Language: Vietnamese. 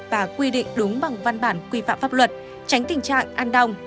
và quy định đúng bằng văn bản quy phạm pháp luật tránh tình trạng ăn đồng